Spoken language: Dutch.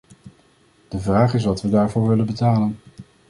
De vraag is wat we daarvoor willen betalen.